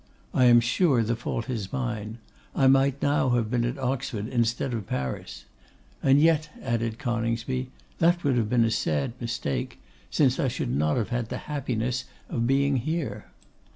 I am sure the fault is mine. I might now have been at Oxford instead of Paris. And yet,' added Coningsby, 'that would have been a sad mistake, since I should not have had the happiness of being here.